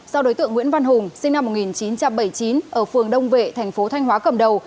do đối tượng nguyễn văn hùng sinh năm một nghìn chín trăm bảy mươi chín ở phường đông vệ thành phố thanh hóa cầm đầu